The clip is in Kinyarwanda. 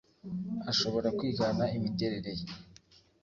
ashobora kwigana imiterere ye.